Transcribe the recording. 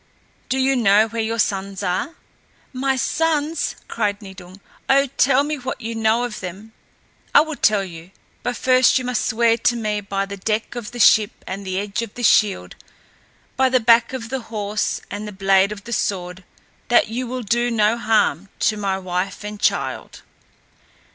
Do you know where your sons are?" "My sons!" cried Nidung. "Oh, tell me what you know of them." "I will tell you, but first you must swear to me by the deck of the ship and the edge of the shield, by the back of the horse and the blade of the sword that you will do no harm to my wife and child."